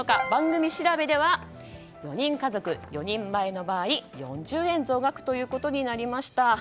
番組調べでは４人家族、４人前の場合４０円増額となりました。